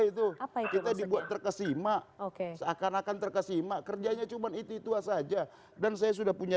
itu kita dibuat terkesima oke seakan akan terkesima kerjanya cuman itu itu saja dan saya sudah punya